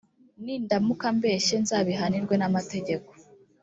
nindamuka mbeshye nzabihanirwe n’amategeko